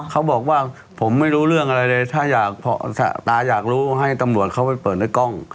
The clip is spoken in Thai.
เขาบอกว่าผมไม่รู้เรื่องอะไรเลยถ้าอยากตาอยากรู้ให้ตำรวจเขาไปเปิดในกล้อง